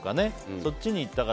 そっちにいったから。